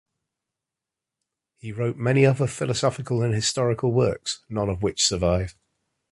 He wrote many other philosophical and historical works, none of which survive.